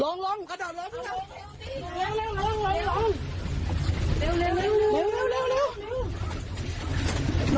ลงลงกระจอดลง